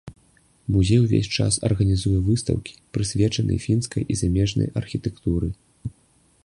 Музей увесь час арганізуе выстаўкі, прысвечаныя фінскай і замежнай архітэктуры.